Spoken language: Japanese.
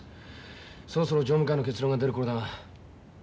そろそろ常務会の結論が出る頃だが。